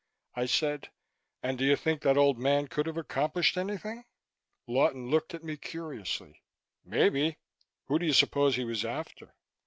I said: "And do you think that old man could have accomplished anything?" Lawton looked at me curiously. "Maybe." "Who do you suppose he was after?"